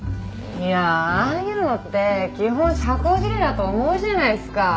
いやああいうのって基本社交辞令だと思うじゃないですか！